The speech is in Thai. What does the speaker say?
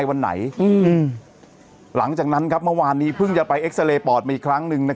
ยังไงยังไงยังไงยังไงยังไงยังไงยังไง